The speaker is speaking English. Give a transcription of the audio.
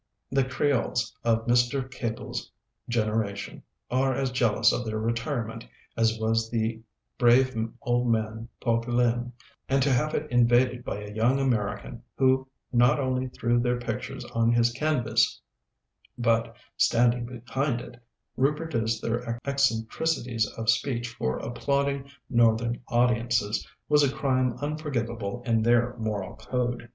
The Creoles of Mr. Cable's generation are as jealous of their retirement as was the brave old man Poquelin; and to have it invaded by a young American who not only threw their pictures upon his canvas, but standing behind it, reproduced their eccentricities of speech for applauding Northern audiences, was a crime unforgivable in their moral code.